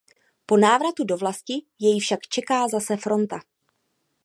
Po návratu do vlasti jej však čeká zase fronta.